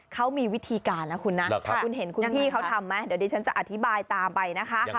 เขามีวิธีการนะคุณนะคุณเห็นคุณพี่เขาทำไหมเดี๋ยวดิฉันจะอธิบายตามไปนะคะ